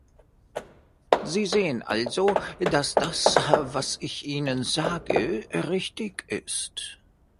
Sie sehen also, dass das, was ich Ihnen sage, richtig ist.